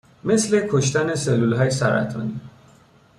مثل کشتن سلولهای سرطانی